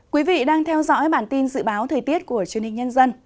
quý vị đang theo dõi bản tin dự báo thời tiết của truyền hình nhân dân